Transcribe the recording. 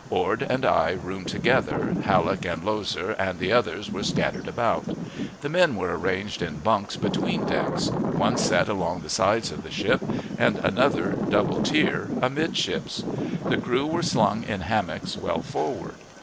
Ord and I roomed together; Halleck and Loeser and the others were scattered about. The men were arranged in bunks "between decks," one set along the sides of the ship, and another, double tier, amidships. The crew were slung in hammocks well forward.